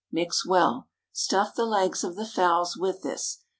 Mix well. Stuff the legs of the fowls with this.